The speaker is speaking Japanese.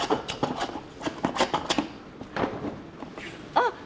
あっ！